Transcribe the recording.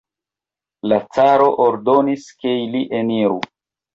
La caro ordonis, ke ili eniru.